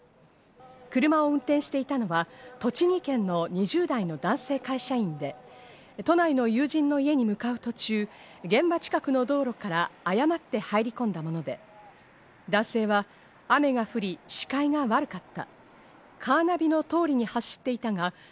車を運転していたのは栃木県の２０代の男性会社員で、都内の友人の家に向かう途中、現場近くの道路から誤って入り込んだもので、男性は雨が降り、視界が悪かった。